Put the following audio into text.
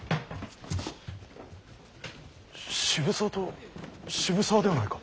渋沢と渋沢ではないか。